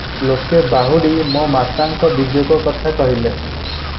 ଲୋକେ ବାହୁଡ଼ି ମୋ ମାତାଙ୍କ ବିଯୋଗ କଥା କହିଲେ ।